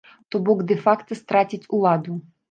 То-бок, дэ-факта страціць уладу.